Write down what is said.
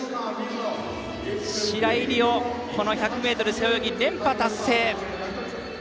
白井璃緒、この１００ｍ背泳ぎ連覇達成。